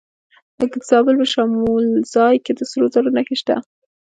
د زابل په شمولزای کې د سرو زرو نښې شته.